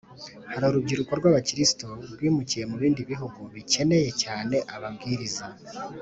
Hari urubyiruko rw’Abakristo rwimukiye mu bindi bihugu bikeneye cyane ababwiriza